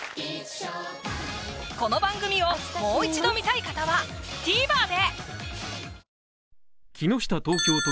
この番組をもう一度観たい方はＴＶｅｒで！